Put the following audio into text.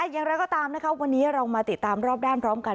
อย่างไรก็ตามนะครับวันนี้เรามาติดตามรอบด้านพร้อมกัน